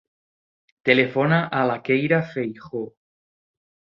Telefona a la Keira Feijoo.